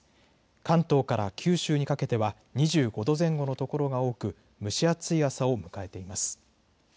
関東から九州にかけては２５度前後のところが多く蒸し暑い朝を迎えています。